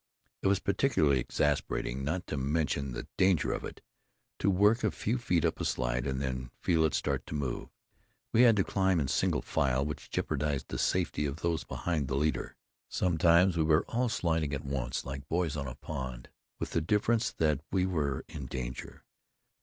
It was particularly exasperating, not to mention the danger of it, to work a few feet up a slide, and then feel it start to move. We had to climb in single file, which jeopardized the safety of those behind the leader. Sometimes we were all sliding at once, like boys on a pond, with the difference that we were in danger.